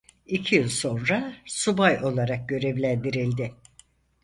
İki yıl sonra subay olarak görevlendirildi.